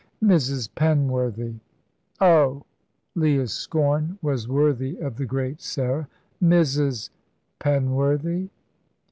"Mrs. Penworthy " "Oh!" Leah's scorn was worthy of the great Sarah. "Mrs. Penworthy?"